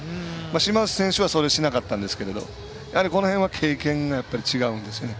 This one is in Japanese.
島内選手はそれをしなかったんですけれどもこの辺は、経験が違うんですよね。